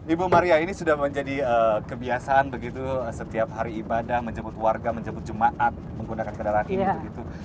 ibu maria ini sudah menjadi kebiasaan begitu setiap hari ibadah menjemput warga menjemput jemaat menggunakan kendaraan ini begitu